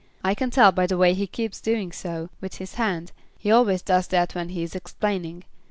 I can tell by the way he keeps doing so, with his hand. He always does that when he is explaining.